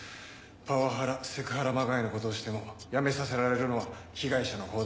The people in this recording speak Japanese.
パワハラセクハラまがいの事をしても辞めさせられるのは被害者のほうだったり。